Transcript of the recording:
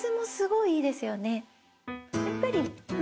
やっぱり。